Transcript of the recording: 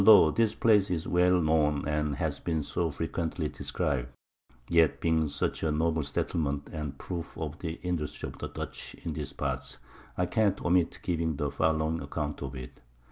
_] Altho' this Place is well known, and has been so frequently describ'd, yet being such a noble Settlement, and a Proof of the Industry of the Dutch in these Parts; I can't omit giving the following Account of it.